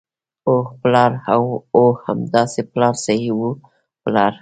هو، پلار، هو همداسې پلار صحیح وو، پلار.